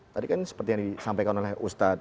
tadi kan seperti yang disampaikan oleh ustadz alfian tadi